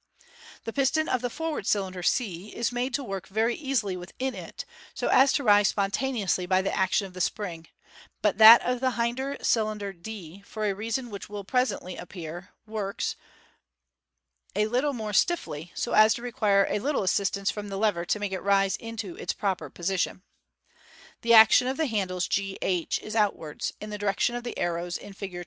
The piston of the forward cylinder c is made to work very easily within it, so as to rise spontaneously by the action of the spring; but riiat of the hinder cylinder, d, for a reason which will presently appear, Fig. 272. Fig. 273. works : lit 'e more stiffly, so as to require a little assistance from the lever to make it rise into its proper position. The action of the handles g h is outwards, in the direction of the arrows in Fig.